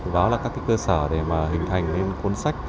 đó là các cơ sở để mà hình thành nên cuốn sách